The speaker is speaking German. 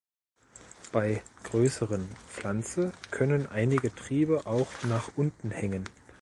Bei größeren Pflanze können einige Triebe auch nach unten hängen.